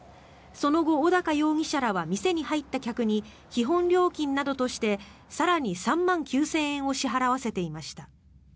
その後、小高容疑者らは店に入った客に基本料金などとして更に３万９０００円を支払わせていました。